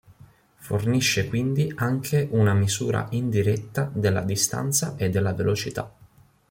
Fornisce quindi anche una misura indiretta della distanza e della velocità.